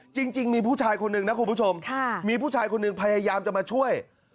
จริงมีผู้ชายคนหนึ่งนะคุณผู้ชมมีผู้ชายคนหนึ่งพยายามจะมาช่วย